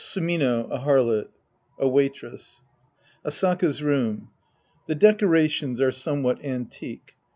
SuMiNO, a harlot. A Waitress. (Asaka's room. The decorations are someivhat antique.